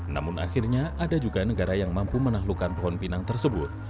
namun akhirnya ada juga negara yang mampu menaklukkan pohon pinang tersebut